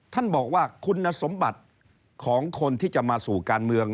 ท่านบอกว่าคุณสมบัติของคนที่จะมาสู่การเมือง